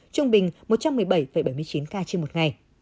trung bình một trăm một mươi bảy bảy mươi chín ca trên một ngày